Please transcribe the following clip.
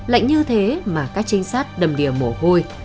lệnh như thế mà các trinh sát đầm đìa mổ hôi